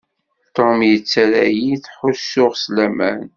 Tom yettarra-yi ttḥussuɣ s laman.